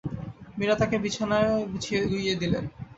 মীরা তাঁকে বিছানায় গুইয়ে দিলেন।